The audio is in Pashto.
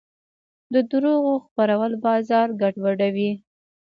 د دروغو خپرول بازار ګډوډوي.